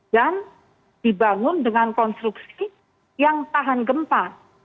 dan dibangun dengan konstruksi yang tahan gempa